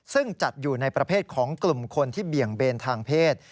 ซึ่งจัดอยู่ในประเภทของกลุ่มคนที่เบี่ยงเบนทางเพศ